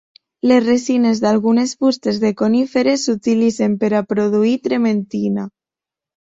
Les resines d'algunes fustes de coníferes s'utilitzen per a produir trementina.